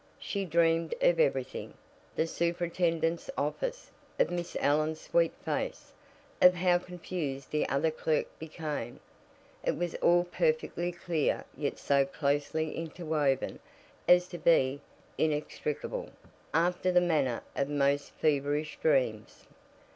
She dreamed of everything the superintendent's office, of Miss Allen's sweet face, of how confused the other clerk became it was all perfectly clear yet so closely interwoven as to be inextricable, after the manner of most feverish dreams.